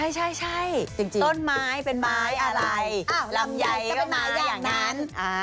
ไม่ใช่ต้นไม้เป็นไม้อะไรลำไยก็เป็นไม้ได้อย่างนั้น